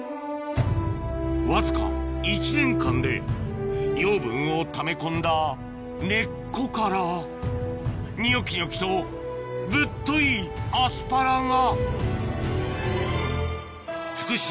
わずか１年間で養分をため込んだ根っこからニョキニョキとぶっといアスパラが福島ＤＡＳＨ